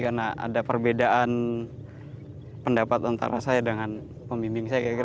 karena ada perbedaan pendapat antara saya dengan pemimpin saya